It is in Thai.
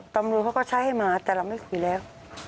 ตำรวจเขาก็ใช้ให้มาแต่เราไม่คุยแล้ว